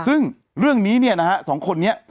ซึ่งเรื่องนี้เนี่ยนะฮะสองคนนี้